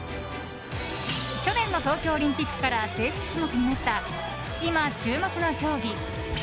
去年の東京オリンピックから正式種目になった今、注目の競技ＢＭＸ